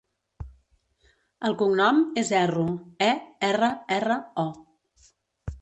El cognom és Erro: e, erra, erra, o.